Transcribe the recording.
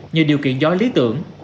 như điều kiện gió lý tưởng